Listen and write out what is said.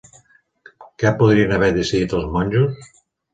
Què podrien haver decidit els monjos?